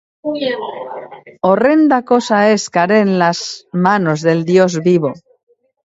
Horrenda cosa es caer en las manos del Dios vivo.